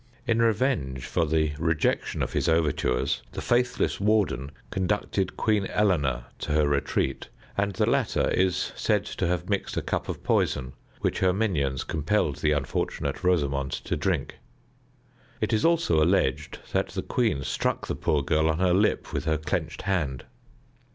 In revenge for the rejection of his overtures, the faithless warden conducted Queen Eleanor to her retreat, and the latter is said to have mixed a cup of poison, which her minions compelled the unfortunate Rosamond to drink. It is also alleged that the queen struck the poor girl on her lip with her clenched hand.